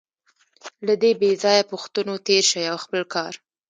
له دې بېځایه پوښتنو تېر شئ او خپل کار.